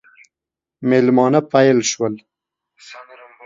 مېلمانه پیل شول.